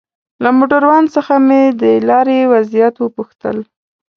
له موټروان څخه مې د لارې وضعيت وپوښتل.